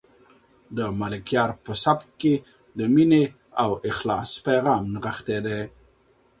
د ملکیار په سبک کې د مینې او اخلاص پیغام نغښتی دی.